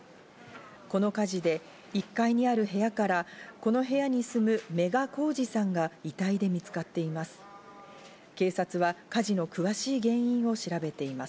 この火事で１階にある部屋からこの部屋に住む、妻鹿晃司さんが遺体で見つかっています。